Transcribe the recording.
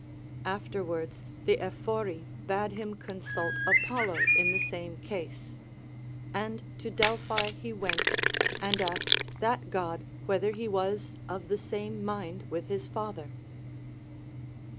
After wards the Ephori bade him consult Apollo in the same case ; and to Delphi he Avent, and asked that God whether he was of the same mind with his father.